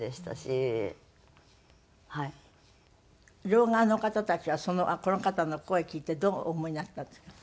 両側の方たちはこの方の声聴いてどうお思いになったんですか？